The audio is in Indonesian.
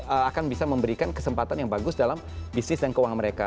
mereka akan bisa memberikan kesempatan yang bagus dalam bisnis dan keuangan mereka